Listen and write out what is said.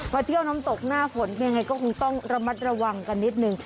เที่ยวน้ำตกหน้าฝนยังไงก็คงต้องระมัดระวังกันนิดนึง